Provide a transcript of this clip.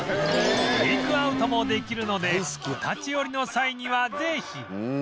テイクアウトもできるのでお立ち寄りの際にはぜひ